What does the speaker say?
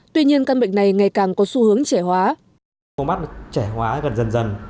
tuy nhiên căn bệnh này ngày càng có xu hướng trẻ hóa